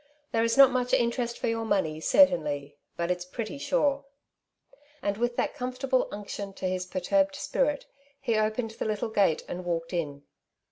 There is not much interest for your money, certainly, but it's pretty sure/^ And with that comfortable unction to "^ his perturbed spirit, he opened the little gate and walked in.